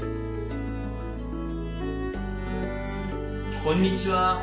こんにちは。